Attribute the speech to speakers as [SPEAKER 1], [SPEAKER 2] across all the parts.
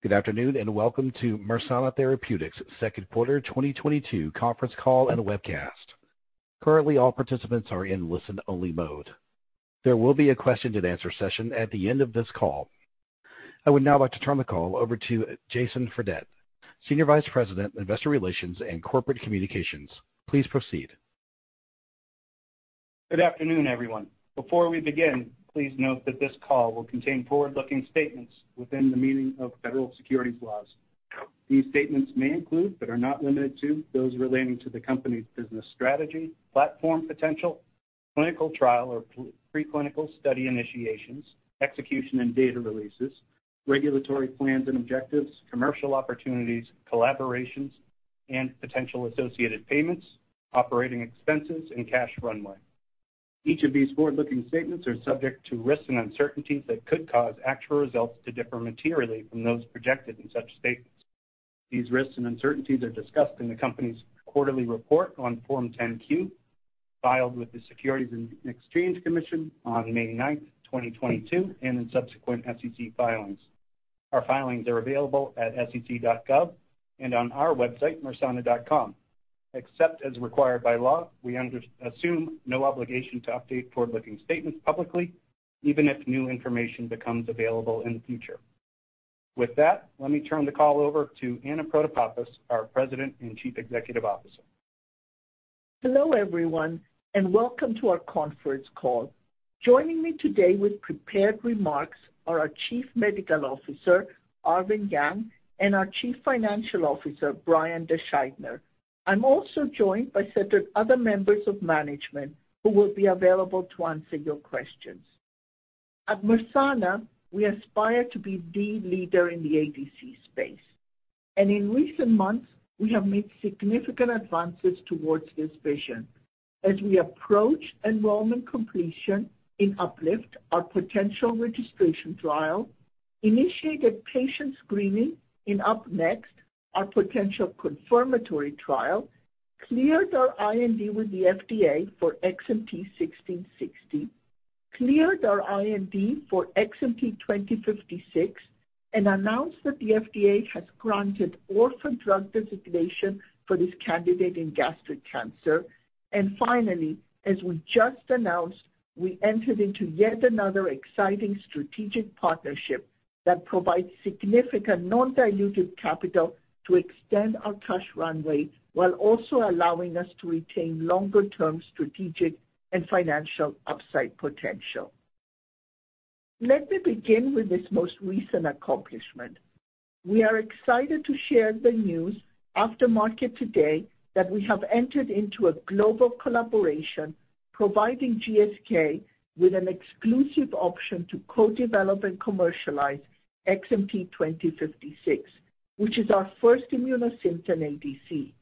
[SPEAKER 1] Good afternoon, and welcome to Mersana Therapeutics' Q2 2022 conference call and webcast. Currently, all participants are in listen-only mode. There will be a question and answer session at the end of this call. I would now like to turn the call over to Jason Fredette, Senior Vice President, Investor Relations and Corporate Communications. Please proceed.
[SPEAKER 2] Good afternoon, everyone. Before we begin, please note that this call will contain forward-looking statements within the meaning of federal securities laws. These statements may include, but are not limited to, those relating to the company's business strategy, platform potential, clinical trial or pre-clinical study initiations, execution and data releases, regulatory plans and objectives, commercial opportunities, collaborations and potential associated payments, operating expenses, and cash runway. Each of these forward-looking statements are subject to risks and uncertainties that could cause actual results to differ materially from those projected in such statements. These risks and uncertainties are discussed in the company's quarterly report on Form 10-Q filed with the Securities and Exchange Commission on May 9, 2022, and in subsequent SEC filings. Our filings are available at sec.gov and on our website, mersana.com. Except as required by Law, we assume no obligation to update forward-looking statements publicly, even if new information becomes available in the future. With that, let me turn the call over to Anna Protopapas, our President and Chief Executive Officer.
[SPEAKER 3] Hello, everyone, and welcome to our conference call. Joining me today with prepared remarks are our Chief Medical Officer, Arvin Yang, and our Chief Financial Officer, Brian DeSchuytner. I'm also joined by several other members of management who will be available to answer your questions. At Mersana, we aspire to be the leader in the ADC space. In recent months, we have made significant advances towards this vision. As we approach enrollment completion in UPLIFT, our potential registration trial, initiated patient screening in UP NEXT, our potential confirmatory trial, cleared our IND with the FDA for XMT-1660, cleared our IND for XMT-2056 and announced that the FDA has granted orphan drug designation for this candidate in gastric cancer. Finally, as we just announced, we entered into yet another exciting strategic partnership that provides significant non-diluted capital to extend our cash runway while also allowing us to retain longer-term strategic and financial upside potential. Let me begin with this most recent accomplishment. We are excited to share the news after market today that we have entered into a global collaboration providing GSK with an exclusive option to co-develop and commercialize XMT-2056, which is our first Immunosynthen ADC.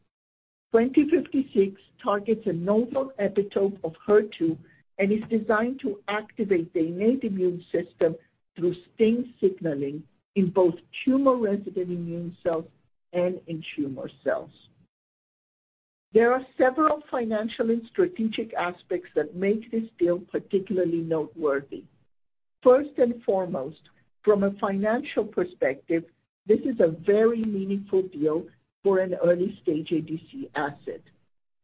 [SPEAKER 3] 2056 targets a novel epitope of HER2 and is designed to activate the innate immune system through STING signaling in both tumor-resident immune cells and in tumor cells. There are several financial and strategic aspects that make this deal particularly noteworthy. First and foremost, from a financial perspective, this is a very meaningful deal for an early-stage ADC asset.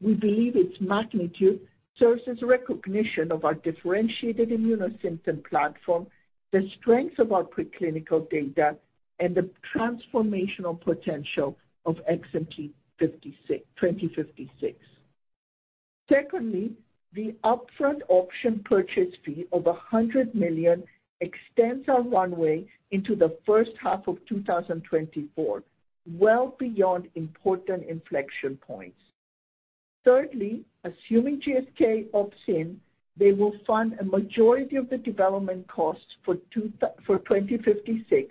[SPEAKER 3] We believe its magnitude serves as recognition of our differentiated Immunosynthen platform, the strength of our preclinical data, and the transformational potential of XMT-2056. Secondly, the upfront option purchase fee of $100 million extends our runway into the first half of 2024, well beyond important inflection points. Thirdly, assuming GSK opts in, they will fund a majority of the development costs for XMT-2056,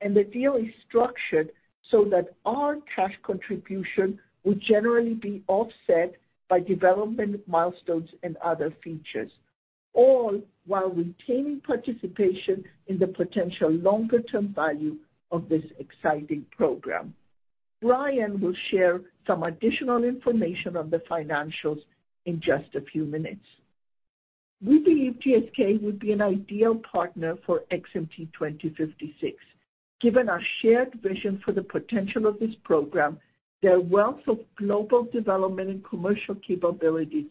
[SPEAKER 3] and the deal is structured so that our cash contribution will generally be offset by development milestones and other features, all while retaining participation in the potential longer-term value of this exciting program. Brian will share some additional information on the financials in just a few minutes. We believe GSK would be an ideal partner for XMT-2056, given our shared vision for the potential of this program, their wealth of global development and commercial capabilities,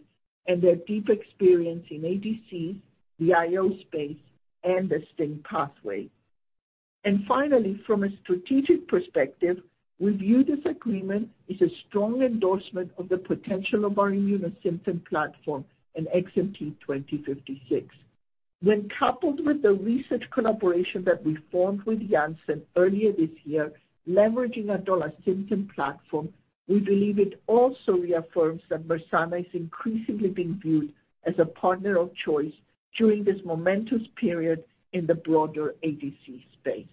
[SPEAKER 3] and their deep experience in ADCs, the IO space, and the STING pathway. Finally, from a strategic perspective, we view this agreement as a strong endorsement of the potential of our Immunosynthen platform and XMT-2056. When coupled with the recent collaboration that we formed with Janssen earlier this year, leveraging our Dolasynthen platform, we believe it also reaffirms that Mersana is increasingly being viewed as a partner of choice during this momentous period in the broader ADC space.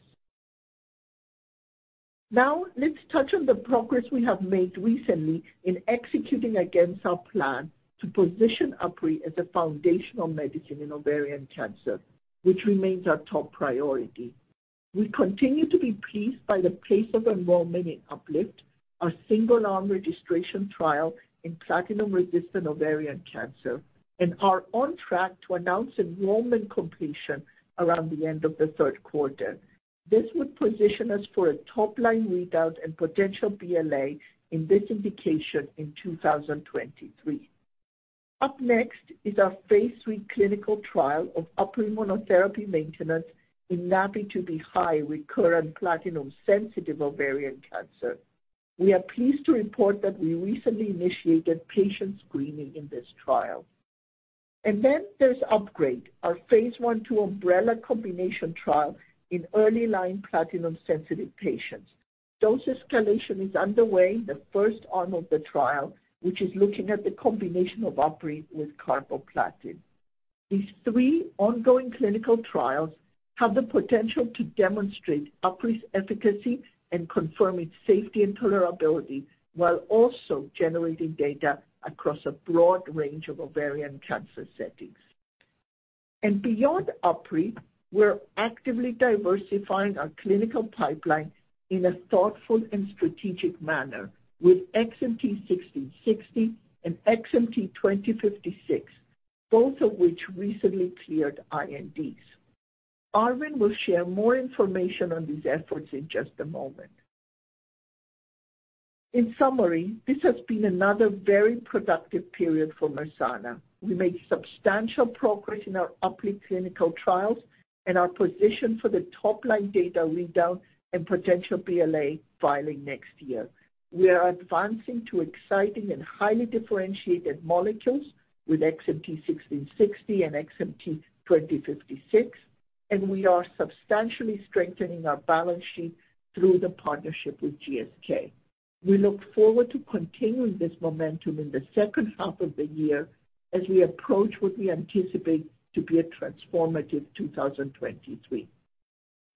[SPEAKER 3] Now, let's touch on the progress we have made recently in executing against our plan to position UpRi as a foundational medicine in ovarian cancer, which remains our top priority. We continue to be pleased by the pace of enrollment in UPLIFT, our single-arm registrational trial in platinum-resistant ovarian cancer, and are on track to announce enrollment completion around the end of the Q3. this would position us for a top-line readout and potential BLA in this indication in 2023. UP-NEXT is our phase III clinical trial of UpRi monotherapy maintenance in NaPi2b-high recurrent platinum-sensitive ovarian cancer. We are pleased to report that we recently initiated patient screening in this trial. There's UPGRADE, our phase I and phase II umbrella combination trial in early-line platinum-sensitive patients. Dose escalation is underway in the first arm of the trial, which is looking at the combination of UpRi with carboplatin. These three ongoing clinical trials have the potential to demonstrate UpRi's efficacy and confirm its safety and tolerability while also generating data across a broad range of ovarian cancer settings. Beyond UpRi, we're actively diversifying our clinical pipeline in a thoughtful and strategic manner with XMT-1660 and XMT-2056, both of which recently cleared INDs. Arvin will share more information on these efforts in just a moment. In summary, this has been another very productive period for Mersana. We made substantial progress in our UpRi clinical trials and are positioned for the top-line data readout and potential BLA filing next year. We are advancing two exciting and highly differentiated molecules with XMT-1660 and XMT-2056, and we are substantially strengthening our balance sheet through the partnership with GSK. We look forward to continuing this momentum in the second half of the year as we approach what we anticipate to be a transformative 2023.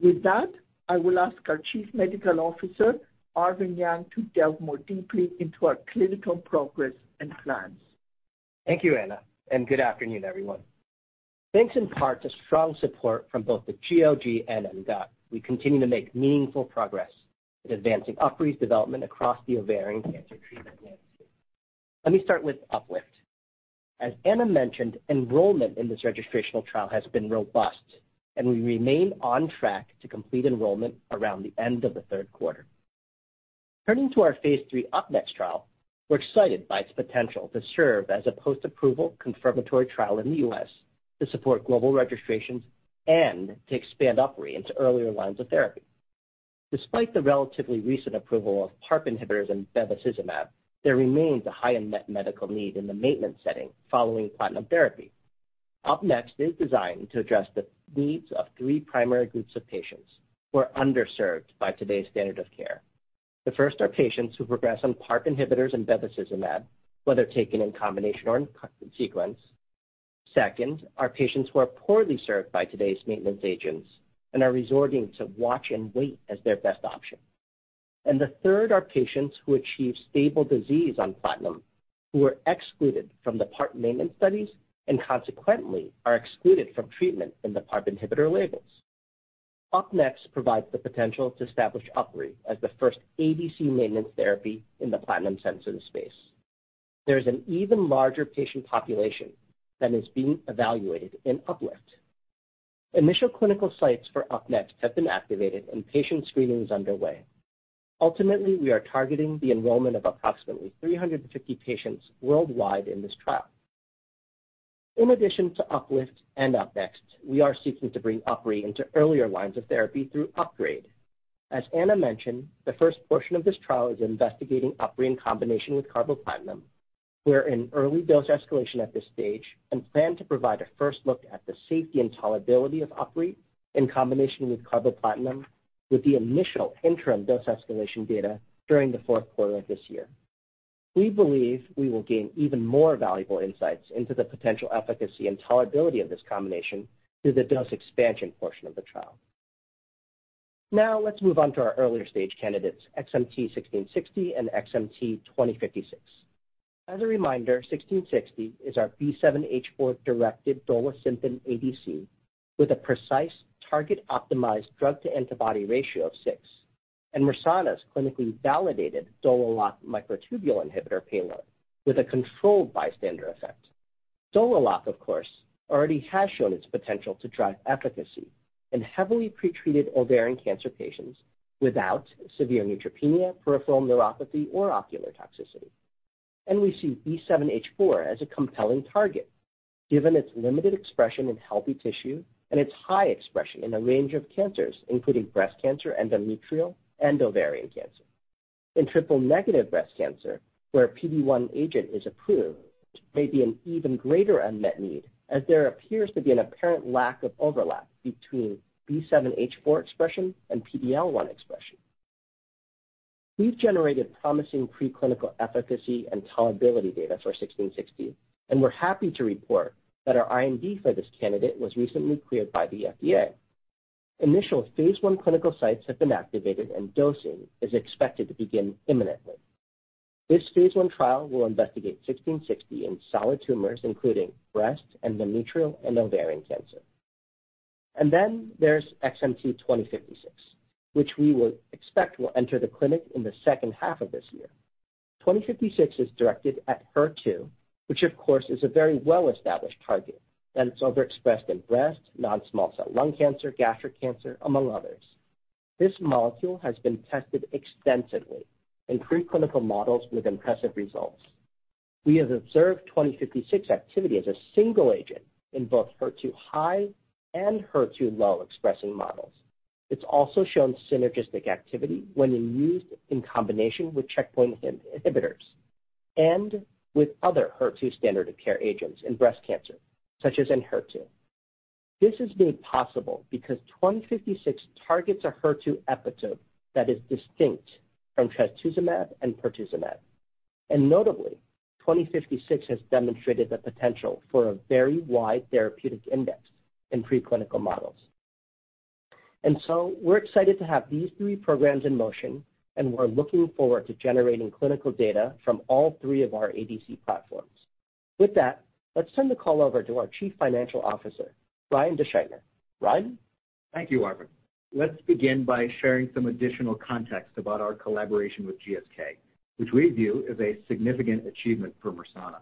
[SPEAKER 3] With that, I will ask our Chief Medical Officer, Arvin Yang, to delve more deeply into our clinical progress and plans.
[SPEAKER 4] Thank you, Anna, and good afternoon, everyone. Thanks in part to strong support from both the GOG and ENGOT, we continue to make meaningful progress in advancing UpRi's development across the ovarian cancer treatment landscape. Let me start with UPLIFT. As Anna mentioned, enrollment in this registrational trial has been robust, and we remain on track to complete enrollment around the end of the Q3. Turning to our phase III UP-NEXT trial, we're excited by its potential to serve as a post-approval confirmatory trial in the U.S. to support global registrations and to expand UpRi into earlier lines of therapy. Despite the relatively recent approval of PARP inhibitors and bevacizumab, there remains a high unmet medical need in the maintenance setting following platinum therapy. UP-NEXT is designed to address the needs of three primary groups of patients who are underserved by today's standard of care. The first are patients who progress on PARP inhibitors and bevacizumab, whether taken in combination or in sequence. Second are patients who are poorly served by today's maintenance agents and are resorting to watch and wait as their best option. The third are patients who achieve stable disease on platinum who are excluded from the PARP maintenance studies and consequently are excluded from treatment in the PARP inhibitor labels. UP-NEXT provides the potential to establish UpRi as the first ADC maintenance therapy in the platinum-sensitive space. There is an even larger patient population that is being evaluated in UPLIFT. Initial clinical sites for UP-NEXT have been activated and patient screening is underway. Ultimately, we are targeting the enrollment of approximately 350 patients worldwide in this trial. In addition to UPLIFT and UP-NEXT, we are seeking to bring UpRi into earlier lines of therapy through UPGRADE. As Anna mentioned, the first portion of this trial is investigating UpRi in combination with carboplatin. We're in early dose escalation at this stage and plan to provide a first look at the safety and tolerability of UpRi in combination with carboplatin with the initial interim dose escalation data during the Q4 of this year. We believe we will gain even more valuable insights into the potential efficacy and tolerability of this combination through the dose expansion portion of the trial. Now let's move on to our earlier-stage candidates, XMT-1660 and XMT-2056. As a reminder, XMT-1660 is our B7-H4-directed Dolasynthen ADC with a precise target-optimized drug-to-antibody ratio of six and Mersana's clinically validated DolaLock microtubule inhibitor payload with a controlled bystander effect. DoloX, of course, already has shown its potential to drive efficacy in heavily pretreated ovarian cancer patients without severe neutropenia, peripheral neuropathy, or ocular toxicity. We see B7H4 as a compelling target given its limited expression in healthy tissue and its high expression in a range of cancers, including breast cancer, endometrial, and ovarian cancer. In triple-negative breast cancer, where a PD-1 agent is approved, may be an even greater unmet need, as there appears to be an apparent lack of overlap between B7H4 expression and PD-L1 expression. We've generated promising preclinical efficacy and tolerability data for XMT-1660, and we're happy to report that our IND for this candidate was recently cleared by the FDA. Initial phase I clinical sites have been activated, and dosing is expected to begin imminently. This phase I trial will investigate XMT-1660 in solid tumors, including breast, endometrial, and ovarian cancer. There's XMT-2056, which we will expect will enter the clinic in the second half of this year. XMT-2056 is directed at HER2, which of course is a very well-established target that's overexpressed in breast, non-small cell lung cancer, gastric cancer, among others. This molecule has been tested extensively in preclinical models with impressive results. We have observed XMT-2056 activity as a single agent in both HER2-high and HER2-low expressing models. It's also shown synergistic activity when used in combination with checkpoint inhibitors and with other HER2 standard of care agents in breast cancer, such as Enhertu. This is made possible because XMT-2056 targets a HER2 epitope that is distinct from trastuzumab and pertuzumab. Notably, XMT-2056 has demonstrated the potential for a very wide therapeutic index in preclinical models. We're excited to have these three programs in motion, and we're looking forward to generating clinical data from all three of our ADC platforms. With that, let's turn the call over to our Chief Financial Officer, Brian DeSchuytner. Brian?
[SPEAKER 5] Thank you, Arvin. Let's begin by sharing some additional context about our collaboration with GSK, which we view as a significant achievement for Mersana.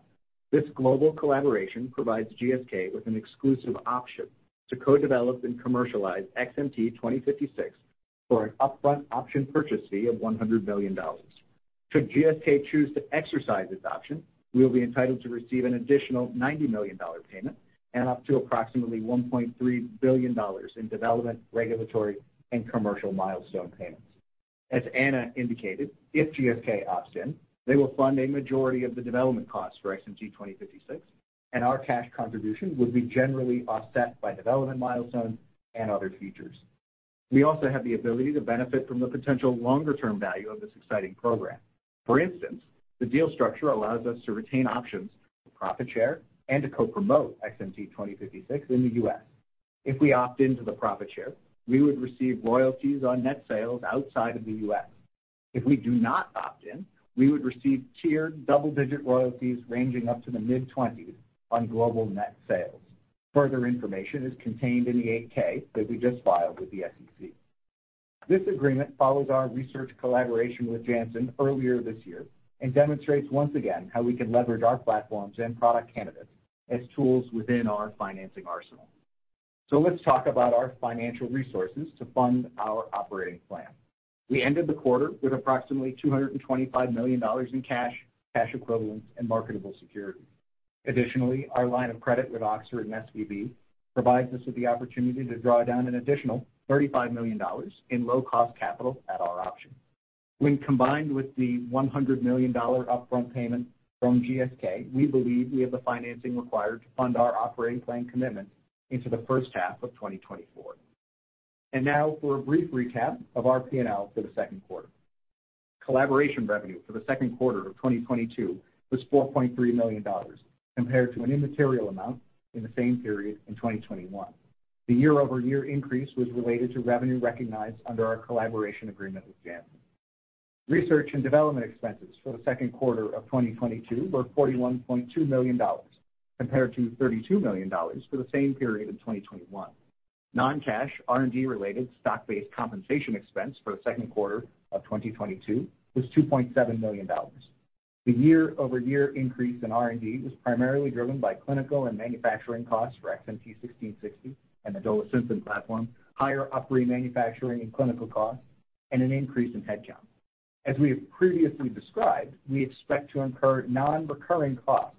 [SPEAKER 5] This global collaboration provides GSK with an exclusive option to co-develop and commercialize XMT-2056 for an upfront option purchase fee of $100 million. Should GSK choose to exercise its option, we will be entitled to receive an additional $90 million payment and up to approximately $1.3 billion in development, regulatory, and commercial milestone payments. As Anna indicated, if GSK opts in, they will fund a majority of the development costs for XMT-2056, and our cash contribution would be generally offset by development milestones and other features. We also have the ability to benefit from the potential longer-term value of this exciting program. For instance, the deal structure allows us to retain options for profit share and to co-promote XMT-2056 in the U.S. If we opt into the profit share, we would receive royalties on net sales outside of the U.S. If we do not opt in, we would receive tiered double-digit royalties ranging up to the mid-twenties on global net sales. Further information is contained in the 8-K that we just filed with the SEC. This agreement follows our research collaboration with Janssen earlier this year and demonstrates once again how we can leverage our platforms and product candidates as tools within our financing arsenal. Let's talk about our financial resources to fund our operating plan. We ended the quarter with approximately $225 million in cash equivalents, and marketable securities. Additionally, our line of credit with Oxford and SVB provides us with the opportunity to draw down an additional $35 million in low-cost capital at our option. When combined with the $100 million upfront payment from GSK, we believe we have the financing required to fund our operating plan commitments into the first half of 2024. Now for a brief recap of our P&L for the Q2. Collaboration revenue for the Q2 of 2022 was $4.3 million, compared to an immaterial amount in the same period in 2021. The year-over-year increase was related to revenue recognized under our collaboration agreement with Janssen. Research and development expenses for the Q2 of 2022 were $41.2 million, compared to $32 million for the same period in 2021. Non-cash R&D-related stock-based compensation expense for the Q2 of 2022 was $2.7 million. The year-over-year increase in R&D was primarily driven by clinical and manufacturing costs for XMT 1660 and the Dolasynthen platform, higher operating manufacturing and clinical costs, and an increase in headcount. We have previously described, we expect to incur non-recurring costs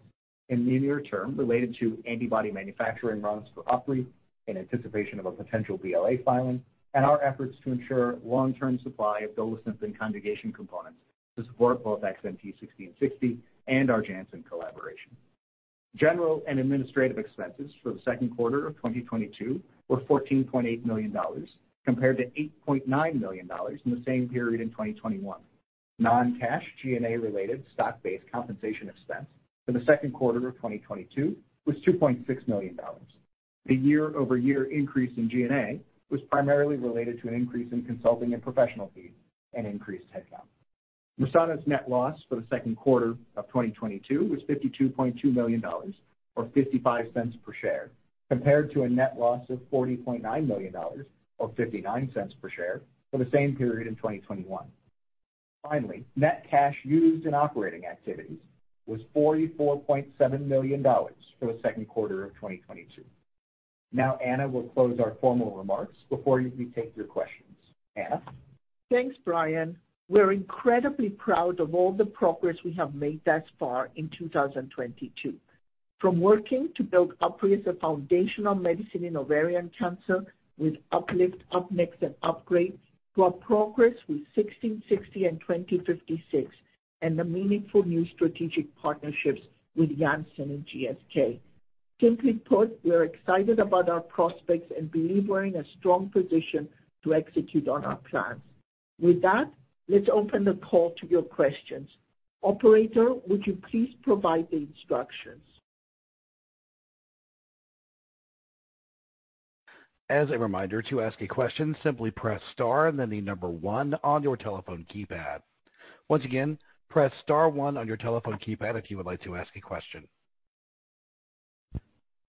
[SPEAKER 5] in the near term related to antibody manufacturing runs for UpRi in anticipation of a potential BLA filing and our efforts to ensure long-term supply of Dolasynthen conjugation components to support both XMT 1660 and our Janssen collaboration. General and administrative expenses for the Q2 of 2022 were $14.8 million, compared to $8.9 million in the same period in 2021. Non-cash G&A-related stock-based compensation expense for the Q2 of 2022 was $2.6 million. The year-over-year increase in G&A was primarily related to an increase in consulting and professional fees and increased headcount. Mersana's net loss for the Q2 of 2022 was $52.2 million, or $0.55 per share, compared to a net loss of $40.9 million, or $0.59 per share, for the same period in 2021. Finally, net cash used in operating activities was $44.7 million for the Q2 of 2022. Now Anna will close our formal remarks before we take your questions. Anna?
[SPEAKER 3] Thanks, Brian. We're incredibly proud of all the progress we have made thus far in 2022. From working to build UpRi as a foundational medicine in ovarian cancer with UPLIFT, UP-NEXT, and UPGRADE, to our progress with XMT-1660 and XMT-2056, and the meaningful new strategic partnerships with Janssen and GSK. Simply put, we are excited about our prospects and believe we're in a strong position to execute on our plans. With that, let's open the call to your questions. Operator, would you please provide the instructions?
[SPEAKER 1] As a reminder, to ask a question, simply press star and then the number one on your telephone keypad. Once again, press star one on your telephone keypad if you would like to ask a question.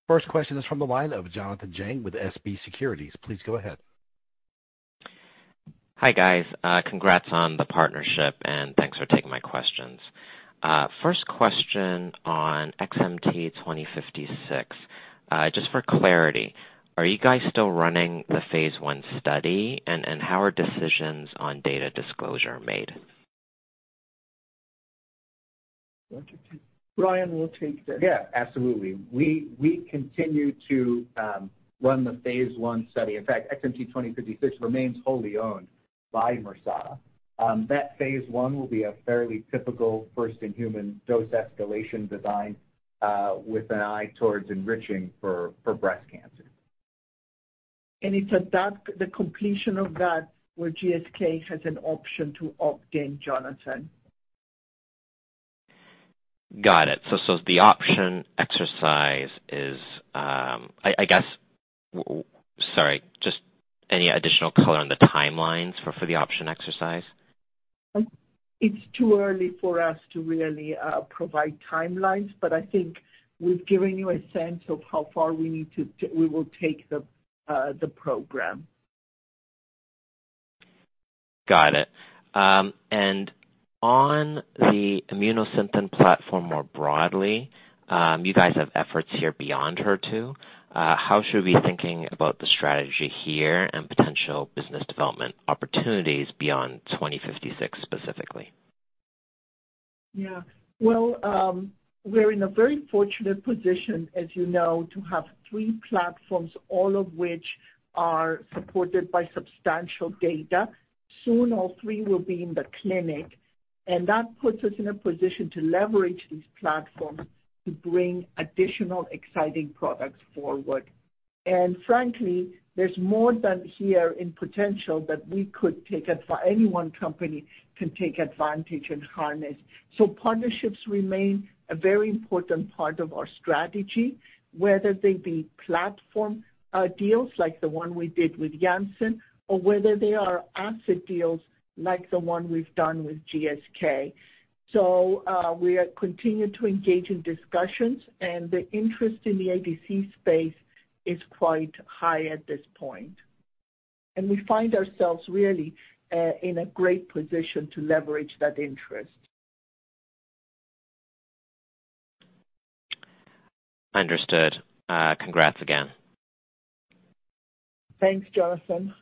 [SPEAKER 1] First question is from the line of Jonathan Chang with SVB Securities. Please go ahead.
[SPEAKER 6] Hi, guys. Congrats on the partnership, and thanks for taking my questions. First question on XMT-2056. Just for clarity, are you guys still running the phase I study? How are decisions on data disclosure made?
[SPEAKER 4] Do you want to take?
[SPEAKER 3] Brian will take that.
[SPEAKER 5] Yeah, absolutely. We continue to run the phase I study. In fact, XMT-2056 remains wholly owned by Mersana. That phase I will be a fairly typical first-in-human dose escalation design, with an eye towards enriching for breast cancer.
[SPEAKER 3] It's at that, the completion of that, where GSK has an option to opt in, Jonathan.
[SPEAKER 6] Got it. The option exercise is, I guess sorry, just any additional color on the timelines for the option exercise?
[SPEAKER 3] It's too early for us to really provide timelines, but I think we've given you a sense of how far we will take the program.
[SPEAKER 6] Got it. On the Immunosynthen platform more broadly, you guys have efforts here beyond HER2. How should we be thinking about the strategy here and potential business development opportunities beyond 2056 specifically?
[SPEAKER 3] Yeah. Well, we're in a very fortunate position, as you know, to have three platforms, all of which are supported by substantial data. Soon, all three will be in the clinic, and that puts us in a position to leverage these platforms to bring additional exciting products forward. Frankly, there's more potential here than any one company can take advantage and harness. Partnerships remain a very important part of our strategy, whether they be platform deals like the one we did with Janssen or whether they are asset deals like the one we've done with GSK. We continue to engage in discussions, and the interest in the ADC space is quite high at this point. We find ourselves really in a great position to leverage that interest.
[SPEAKER 6] Understood. Congrats again.
[SPEAKER 3] Thanks, Jonathan.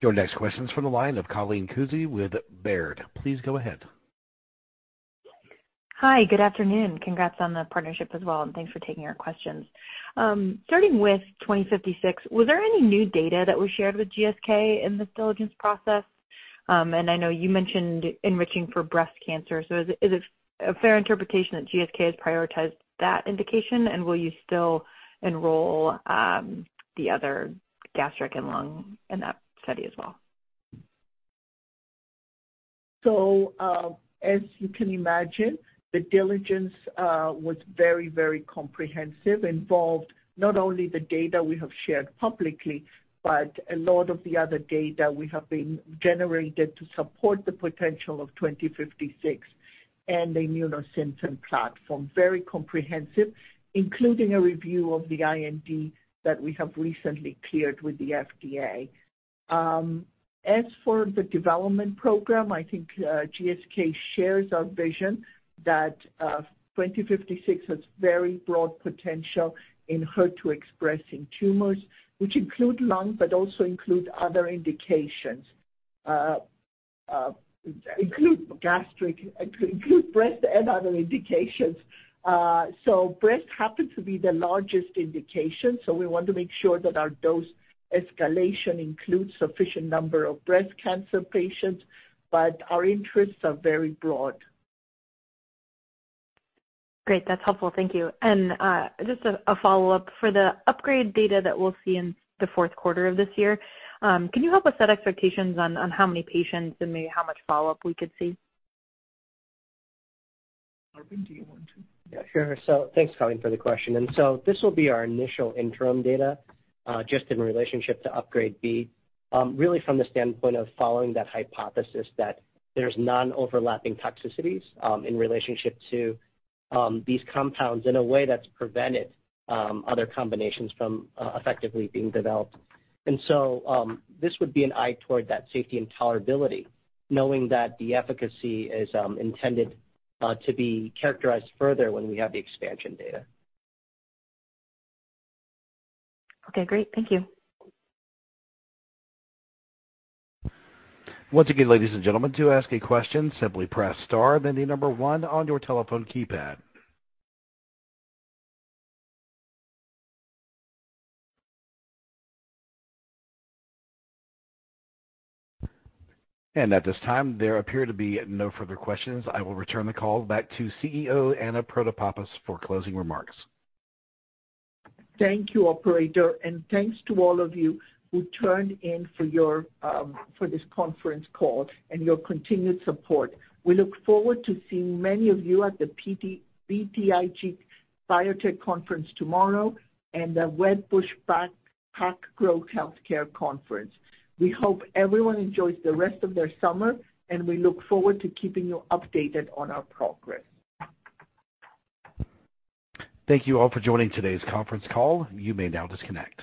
[SPEAKER 1] Your next question's from the line of Colleen Kusy with Baird. Please go ahead.
[SPEAKER 7] Hi, good afternoon. Congrats on the partnership as well, and thanks for taking our questions. Starting with XMT-2056, was there any new data that was shared with GSK in this diligence process? I know you mentioned enriching for breast cancer, so is it a fair interpretation that GSK has prioritized that indication? Will you still enroll the other gastric and lung in that study as well?
[SPEAKER 3] As you can imagine, the diligence was very, very comprehensive. Involved not only the data we have shared publicly, but a lot of the other data we have generated to support the potential of 2056 and the Immunosynthen platform. Very comprehensive, including a review of the IND that we have recently cleared with the FDA. As for the development program, I think GSK shares our vision that 2056 has very broad potential in HER2-expressing tumors, which include lung but also include other indications, include gastric, include breast and other indications. Breast happens to be the largest indication, so we want to make sure that our dose escalation includes sufficient number of breast cancer patients, but our interests are very broad.
[SPEAKER 7] Great. That's helpful. Thank you. Just a follow-up. For the UPGRADE data that we'll see in the Q4 of this year, can you help us set expectations on how many patients and maybe how much follow-up we could see?
[SPEAKER 3] Arvin, do you want to?
[SPEAKER 4] Yeah, sure. Thanks, Colleen, for the question. This will be our initial interim data, just in relationship to UPGRADE-B. Really from the standpoint of following that hypothesis that there's non-overlapping toxicities, in relationship to these compounds in a way that's prevented other combinations from effectively being developed. This would be an eye toward that safety and tolerability, knowing that the efficacy is intended to be characterized further when we have the expansion data.
[SPEAKER 7] Okay, great. Thank you.
[SPEAKER 1] Once again, ladies and gentlemen, to ask a question, simply press star then the number one on your telephone keypad. At this time, there appear to be no further questions. I will return the call back to CEO Anna Protopapas for closing remarks.
[SPEAKER 3] Thank you, operator, and thanks to all of you who tuned in for this conference call and your continued support. We look forward to seeing many of you at the BTIG Biotech Conference tomorrow and the Wedbush PacGrow Healthcare Conference. We hope everyone enjoys the rest of their summer, and we look forward to keeping you updated on our progress.
[SPEAKER 1] Thank you all for joining today's conference call. You may now disconnect.